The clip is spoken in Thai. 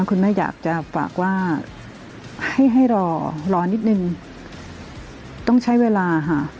คุณแม่อยากจะฝากว่าให้ให้รอรอนิดนึงต้องใช้เวลาค่ะ